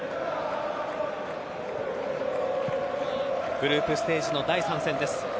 グループステージの第３戦です。